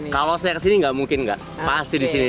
kalau saya kesini nggak mungkin nggak pasti disini